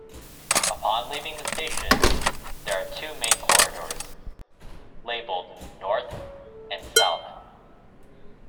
Upon leaving the station, there are two main corridors, labeled "North" and "South".